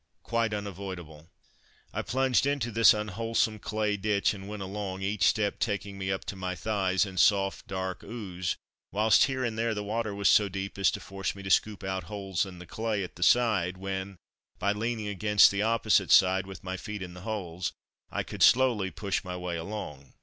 Quite unavoidable. I plunged into this unwholesome clay ditch and went along, each step taking me up to my thighs in soft dark ooze, whilst here and there the water was so deep as to force me to scoop out holes in the clay at the side when, by leaning against the opposite side, with my feet in the holes, I could slowly push my way along.